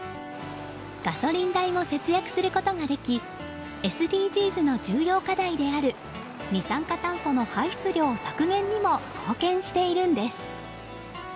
ガソリン代も節約することができＳＤＧｓの重要課題である二酸化炭素の排出量削減にも貢献しているんです。